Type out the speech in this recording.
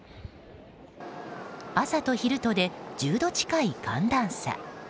朝と昼とで、１０度近い寒暖差。